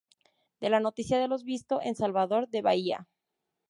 Da la noticia de lo visto en Salvador de Bahía.